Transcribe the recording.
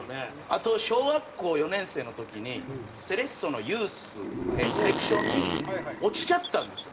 あと小学校４年生の時にセレッソのユースセレクションに落ちちゃったんですよね。